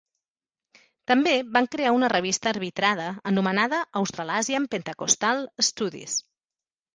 També van crear una revista arbitrada anomenada Australasian Pentecostal Studies.